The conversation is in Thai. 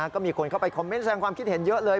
ก็มีคนเข้าไปคอมเมนต์แสดงความคิดเห็นเยอะเลย